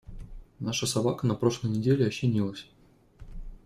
Наша собака на прошлой неделе ощенилась.